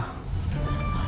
siap membantu ciyoyo